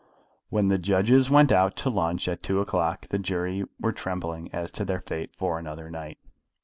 When the judges went out to lunch at two o'clock the jury were trembling as to their fate for another night.